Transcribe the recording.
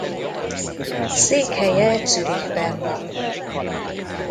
Székhelye Zürichben van.